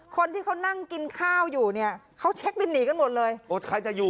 คนที่เขานั่งกินข้าวอยู่เนี่ยเขาเช็คบินหนีกันหมดเลย